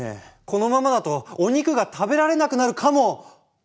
このままだとお肉が食べられなくなるかも！